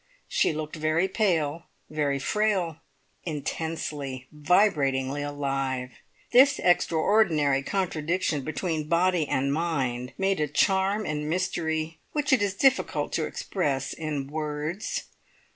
She looked very pale, very frail, intensely, vibratingly alive. This extraordinary contradiction between body and mind made a charm and mystery which it is difficult to express in words.